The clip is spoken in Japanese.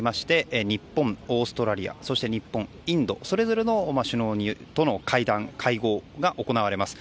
アメリカオーストラリア、インドそれぞれの首脳との会談、会合が行われます。